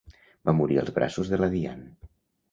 Va morir als braços de la Diane.